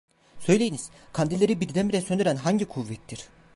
Söyleyiniz, kandilleri birdenbire söndüren hangi kuvvettir?